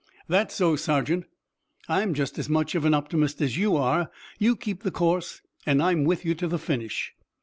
"That's so, sergeant. I'm just as much of an optimist as you are. You keep the course, and I'm with you to the finish."